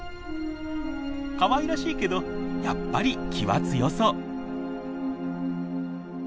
かわいらしいけどやっぱり気は強そう！